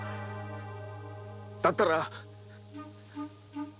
だったら。